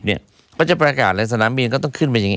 เขาจะประกาศอะไรสนามบินก็ต้องขึ้นมาอย่างนี้